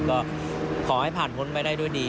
ก็ขอให้ผ่านพ้นไปได้ด้วยดี